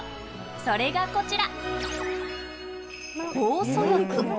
それがこちら。